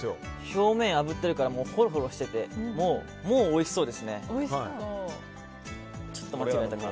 表面あぶってるからほろほろしててもうおいしそうですね。